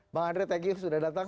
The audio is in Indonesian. bang andre thank you sudah datang